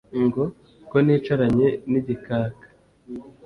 Ngo: ko nicaranye n'igikaka